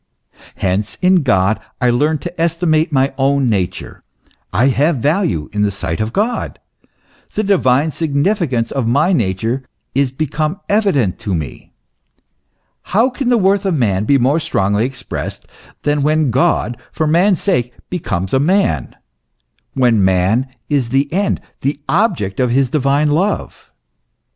Hence, in God I learn to estimate my own nature ; I have value in the sight of God ; the divine sig nifican'ce of my nature is become evident to me. How can the worth of man be more strongly expressed than when God, for man's sake, becomes a man, when man is the end, the object of the divine love